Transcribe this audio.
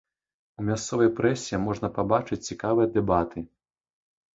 У мясцовай прэсе можна пабачыць цікавыя дэбаты.